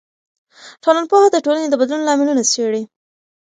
ټولنپوهنه د ټولنې د بدلون لاملونه څېړي.